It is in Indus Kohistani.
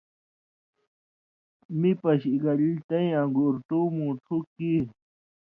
می پشی گیل تَیں اگُورٹو مُوٹُھو کیریۡ۔